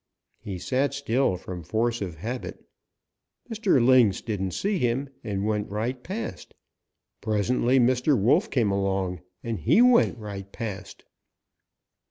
He sat still from force of habit. Mr. Lynx didn't see him; he went right past Presently Mr. Wolf came along, and he went right past.